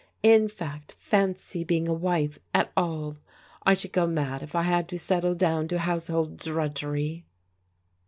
— In fact, fancy being a wife at all. I should go mad if I had to settle down to household drudgery."